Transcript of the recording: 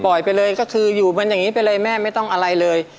ไปเลยก็คืออยู่มันอย่างนี้ไปเลยแม่ไม่ต้องอะไรเลย